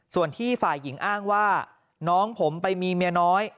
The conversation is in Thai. ส่วนที่ฝ่ายหญิงอ้างว่าน้องผมไปมีเมียน้อย